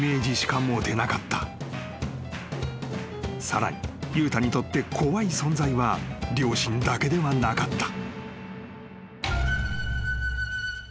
［さらに悠太にとって怖い存在は両親だけではなかった］